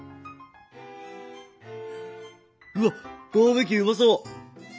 うわっバーベキューうまそう！